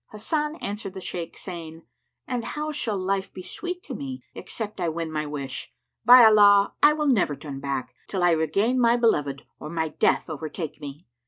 Hasan answered the Shaykh, saying, "And how shall life be sweet to me, except I win my wish? By Allah, I will never turn back, till I regain my beloved or my death overtake me!"